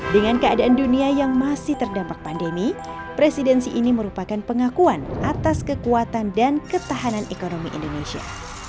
dengan keadaan dunia yang masih terdampak pandemi presidensi ini merupakan pengakuan atas kekuatan dan ketahanan ekonomi indonesia